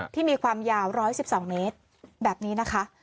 มีความยาว๑๑๒เมตรแบบนี้นะคะ